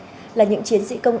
đó là những chiến sĩ công an